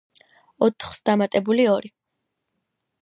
ოთხს დამატებული ორი.